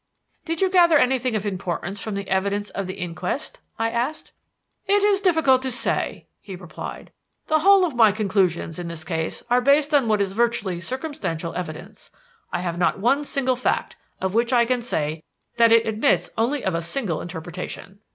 "Did you gather anything of importance from the evidence at the inquest?" I asked. "It is difficult to say," he replied. "The whole of my conclusions in this case are based on what is virtually circumstantial evidence. I have not one single fact of which I can say that it admits only of a single interpretation.